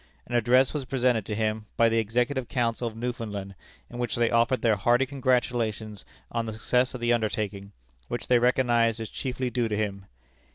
An address was presented to him by the Executive Council of Newfoundland, in which they offered their hearty congratulations on the success of the undertaking, which they recognized as chiefly due to him.